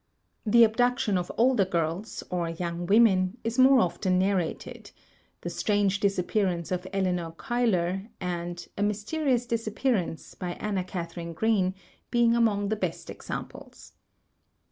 The abduction of older girls, or young women, is more often narrated, "The Strange Disappearance of Eleanor Cuyler," and "A Mysterious Disappearance," by Anna Katharine Green, being among the best examples.